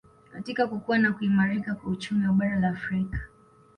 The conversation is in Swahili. katika kukua na kuimarika kwa uchumi wa bara la Afrika